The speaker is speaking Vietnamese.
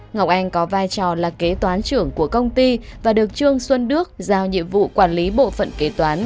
ngọc anh có vai trò là kế toán trưởng của công ty và được trương xuân đức giao nhiệm vụ quản lý bộ phận kế toán